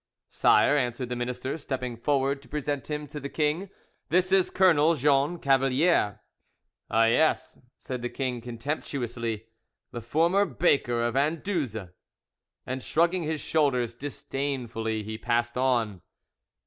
"Sire," answered the minister, stepping forward to present him to the king, "this is Colonel Jean Cavalier." "Ah yes," said the king contemptuously, "the former baker of Anduze!" And shrugging his shoulders disdainfully, he passed on.